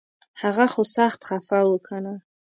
هغه خو سخت خفه و کنه